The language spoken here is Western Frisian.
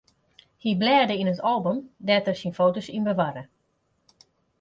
Hy blêde yn it album dêr't er syn foto's yn bewarre.